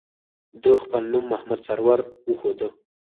ده خپل نوم محمد سرور وښوده.